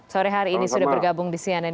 maaf hari ini sudah bergabung di cnn indonesia